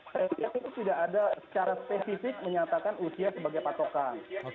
saya tidak ada secara spesifik menyatakan usia sebagai patokan